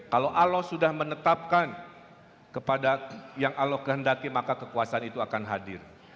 kalau allah sudah menetapkan kepada yang allah kehendaki maka kekuasaan itu akan hadir